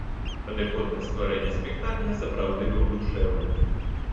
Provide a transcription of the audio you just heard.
Падыход да стварэння спектакля сапраўды быў душэўны.